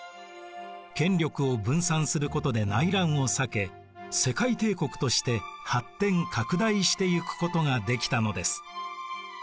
権力を分散することで内乱を避け世界帝国として発展拡大していくことができたのです。